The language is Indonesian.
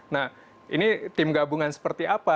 nah ini tim gabungan seperti apa